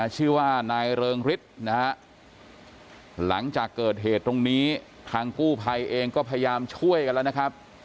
ชื่อว่านายเริงฤทธิ์นะฮะหลังจากเกิดเหตุตรงนี้ทางกู้ภัยเองก็พยายามช่วยกันแล้วนะครับ